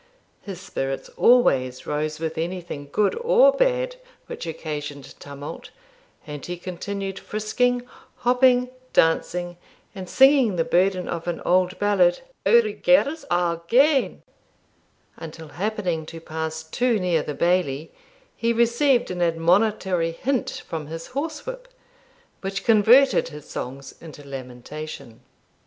His spirits always rose with anything, good or bad, which occasioned tumult, and he continued frisking, hopping, dancing, and singing the burden of an old ballad 'Our gear's a' gane,' until, happening to pass too near the Bailie, he received an admonitory hint from his horse whip, which converted his songs into lamentation.